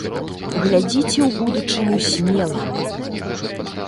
Глядзіце ў будучыню смела!